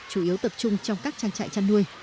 chủ yếu tập trung trong các trang trại chăn nuôi